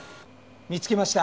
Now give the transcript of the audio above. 見つけました。